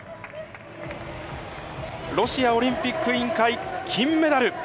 ロシアオリンピック委員会金メダル。